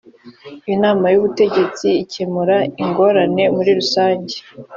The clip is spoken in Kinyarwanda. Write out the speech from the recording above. inama y’ubutegetsi ikemura ingorane muri rusange